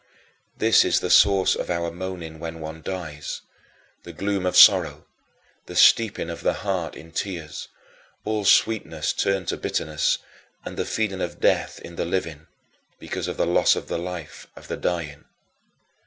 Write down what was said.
This is the source of our moaning when one dies the gloom of sorrow, the steeping of the heart in tears, all sweetness turned to bitterness and the feeling of death in the living, because of the loss of the life of the dying.